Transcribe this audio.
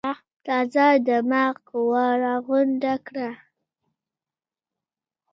تازه دمه قوه راغونډه کړه.